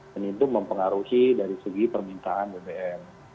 dan itu mempengaruhi dari segi permintaan bbm